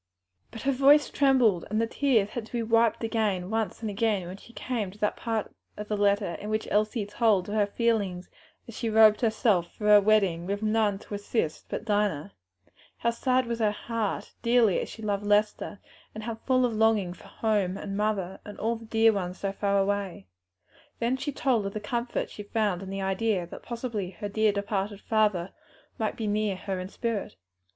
But her voice trembled, and the tears had to be wiped away once and again when she came to that part of the letter in which Elsie told of her feelings as she robed herself for her bridal with none to assist but Dinah; how sad was her heart, dearly as she loved Lester, and how full of longing for home and mother and all the dear ones so far away; then of the comfort she found in the idea that possibly the dear departed father might be near her in spirit.